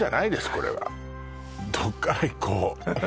これはどっからいこう？